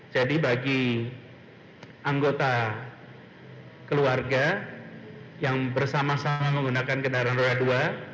jadi bagi anggota keluarga yang bersama sama menggunakan kendaraan roda dua